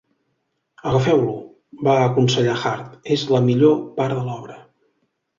"Agafeu-lo." –va aconsellar Hart– "És la millor part de l'obra!